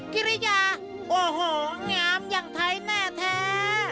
กิริยาโอ้โหงามอย่างไทยแน่แท้